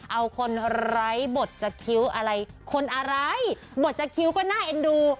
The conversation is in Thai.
เอาคนไร้บทจะคิ้วอะไรคนอะไรบทจะคิ้วก็น่าเอ็นดู